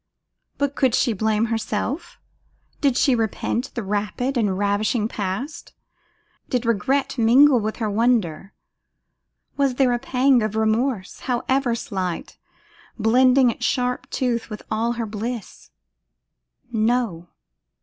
But could she blame herself? Did she repent the rapid and ravishing past? Did regret mingle with her wonder? Was there a pang of remorse, however slight, blending its sharp tooth with all her bliss? No!